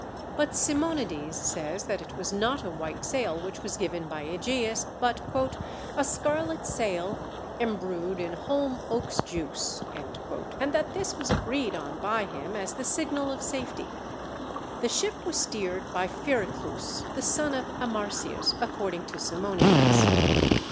But Simonides says that it was not a white sail which was given by Ægeus, but "a scarlet sail embrued in holm oak's juice," and that this was agreed on by him as the signal of safety. The ship was steered by Phereclus, the son of Amarsyas, according to Simonides.